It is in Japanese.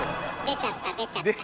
出ちゃった出ちゃった。